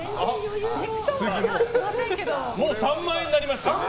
もう３万円になりました。